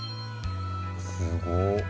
すごっ。